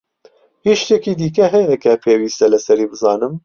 هیچ شتێکی دیکە هەیە کە پێویستە لەسەری بزانم؟